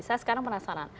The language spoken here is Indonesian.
saya sekarang penasaran